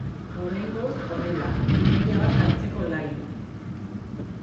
Oraingoz honela, ideia bat hartzeko lain.